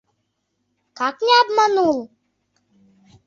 Как не обманул?